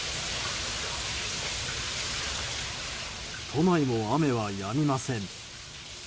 都内も雨はやみません。